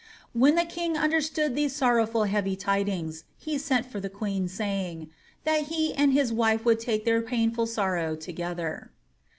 When the king understood those sorrowful heavy tidings, he sent for the queen, saying, ^ that he and his wife would take their painful sorrow together.'